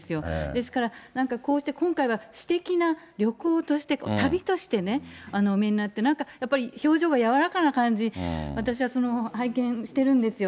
ですから、なんかこうして、今回は私的な旅行として、旅としてね、お見えになって、やっぱり表情が柔らかな感じ、私は拝見してるんですよ。